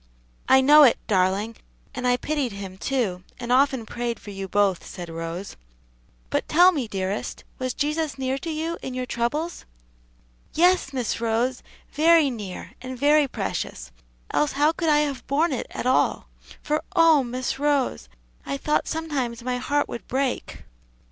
"I know it, darling, and I pitied him, too, and often prayed for you both," said Rose. "But tell me, dearest, was Jesus near to you in your troubles?" "Yes, Miss Rose, very near, and very precious; else how could I have borne it at all? for oh, Miss Rose, I thought sometimes my heart would break!"